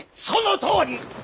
そのとおり！